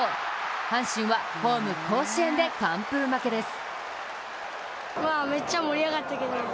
阪神は、ホーム甲子園で完封負けです。